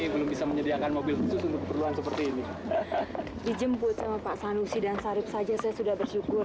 profesor ya bahkan bisa memperbaiki kalimat seorang guru